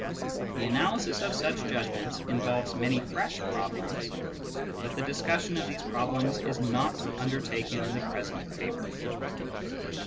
The analysis of such judgments involves many fresh problems, but the discussion of these problems is not undertaken in the present paper.